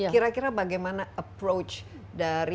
kira kira bagaimana approach dari